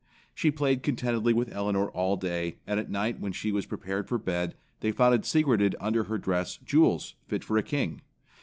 She played contentedly with Elinor all day, and at night when she was prepared for bed, they found secreted under her dress jewels fit for a king.